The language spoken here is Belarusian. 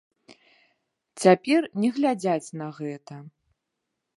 Цяпер не глядзяць на гэта.